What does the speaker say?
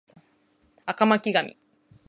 赤巻紙